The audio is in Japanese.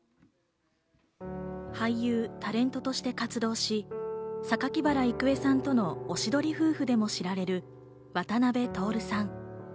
俳優、タレントとして活動し、榊原郁恵さんとのおしどり夫婦でも知られる渡辺徹さん。